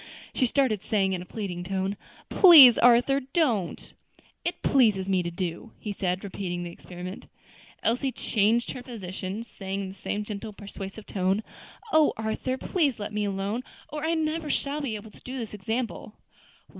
She started, saying in a pleading tone, "Please, Arthur, don't." "It pleases me to do," he said, repeating the experiment. Elsie changed her position, saying in the same gentle, persuasive tone, "O Arthur! please let me alone, or I never shall be able to do this example."